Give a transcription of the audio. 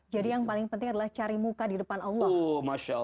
jadi yang paling penting adalah cari muka di depan allah